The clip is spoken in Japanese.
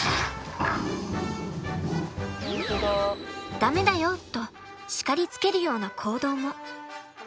ダメだよと叱りつけるような行動も。